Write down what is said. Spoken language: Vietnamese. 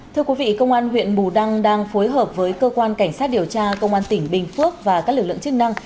thưa quý vị công an huyện bù đăng đang phối hợp với cơ quan cảnh sát điều tra công an tỉnh bình phước và các lực lượng chức năng